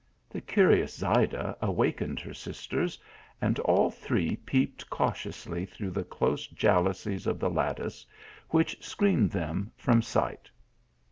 The curious Zayda awakened her sisters, and all three peeped cautiously through the close jealousies of the lattice, which screened them from sight.